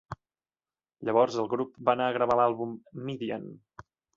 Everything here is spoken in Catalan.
Llavors el grup va anar a gravar l'àlbum "Midian".